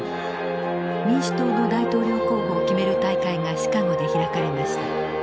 民主党の大統領候補を決める大会がシカゴで開かれました。